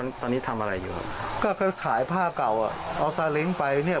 เพราะตอนนี้ทำอะไรอยู่ครับก็ก็ขายผ้าก่อเขาไปเนี่ย